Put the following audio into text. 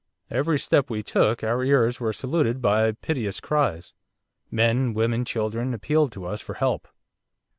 Every step we took our ears were saluted by piteous cries. Men, women, children, appealed to us for help.